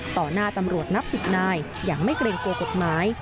หน้าตำรวจนับ๑๐นายอย่างไม่เกรงกลัวกฎหมาย